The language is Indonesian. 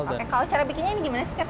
oke kalau cara bikinnya ini gimana sih chef